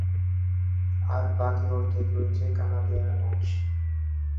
আর বাকি অর্ধেক রয়েছে কানাডীয় অংশে।